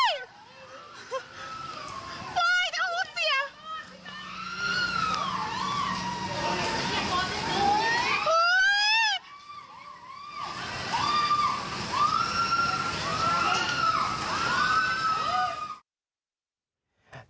โอ๊ย